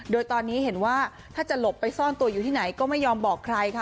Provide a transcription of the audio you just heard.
โดยตอนนี้เห็นว่าถ้าจะหลบไปซ่อนตัวอยู่ที่ไหนก็ไม่ยอมบอกใครค่ะ